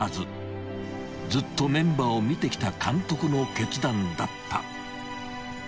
［ずっとメンバーを見てきた監督の決断だった］